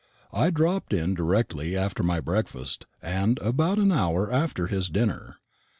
I dropped in directly after my breakfast, and about an hour after his dinner.